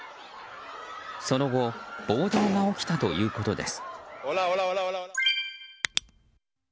その後暴動が起きたということです。